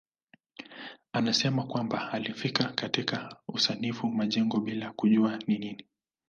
Anasema kwamba alifika katika usanifu majengo bila kujua ni nini.